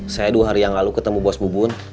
saya dua hari yang lalu ketemu bos mubun